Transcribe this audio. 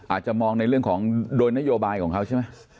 อาจจะมองในเรื่องของโดยนโยบายของเขาใช่ไหม